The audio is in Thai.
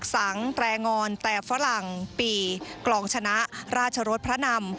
สังแตรงอนแต่ฝรั่งปีกลองชนะราชรสพระนำ